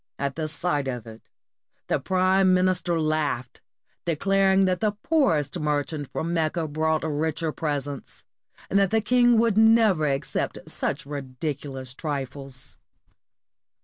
At sight of it, the prime minister laughed, declaring that the poorest merchant from Mecca brought richer presents, and that the king would never accept such ridiculous trifles.